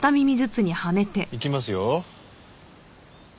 いきますよ。